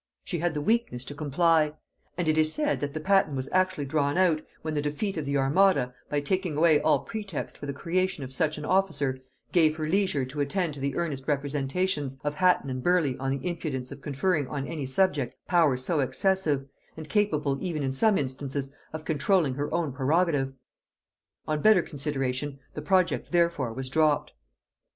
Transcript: She had the weakness to comply; and it is said that the patent was actually drawn out, when the defeat of the armada, by taking away all pretext for the creation of such an officer, gave her leisure to attend to the earnest representations of Hatton and Burleigh on the imprudence of conferring on any subject powers so excessive, and capable even in some instances of controlling her own prerogative. On better consideration the project therefore was dropped.